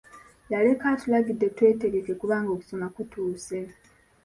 Yaleka atulagidde twetegeke kubanga okusoma kutuuse.